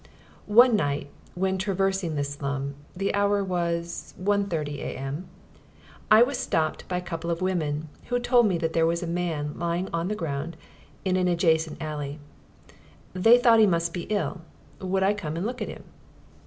One night when traversing this slum the hour was 1.30 a.m. I was stopped by a couple of women who told me that there was a man lying on the ground in an adjacent alley; they thought he must be ill; would I come and look at him?